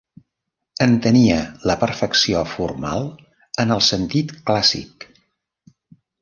Entenia la perfecció formal en el sentit clàssic.